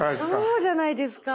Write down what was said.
そうじゃないですか。